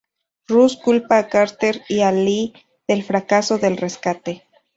Russ culpa a Carter y a Lee del fracaso del rescate.